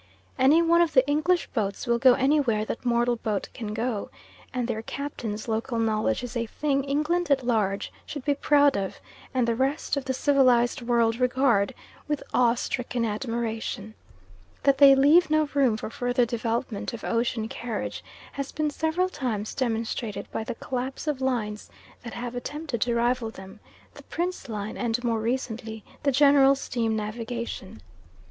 Any one of the English boats will go anywhere that mortal boat can go; and their captains' local knowledge is a thing England at large should be proud of and the rest of the civilised world regard with awe stricken admiration. That they leave no room for further development of ocean carriage has been several times demonstrated by the collapse of lines that have attempted to rival them the Prince line and more recently the General Steam Navigation.